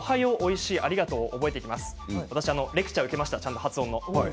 私レクチャーを受けました発音の。